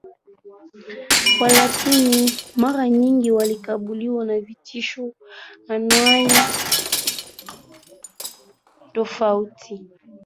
Walakini mara nyingi wanakabiliwa na vitisho anuwai tofauti